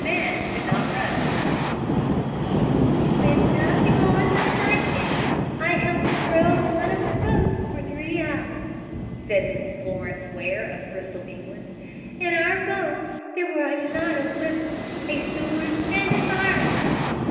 MEN COULD NOT ROW "With nothing on but a nightgown I helped row one of the boats for three hours," said Mrs. Florence Ware, of Bristol, England. "In our boat there were a lot of women, a steward and a fireman.